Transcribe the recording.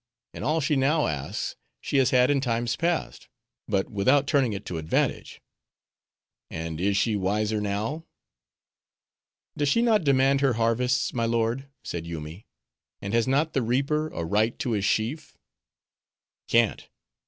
And all she now asks, she has had in times past; but without turning it to advantage:—and is she wiser now?" "Does she not demand her harvests, my lord?" said Yoomy, "and has not the reaper a right to his sheaf?" "Cant!